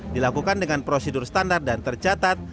dilakukan dengan prosedur standar dan tercatat